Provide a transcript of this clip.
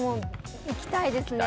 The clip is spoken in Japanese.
行きたいですね。